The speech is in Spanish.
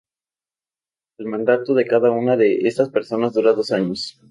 El mandato de cada una de estas personas dura dos años.